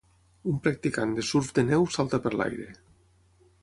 un practicant de surf de neu salta per l'aire.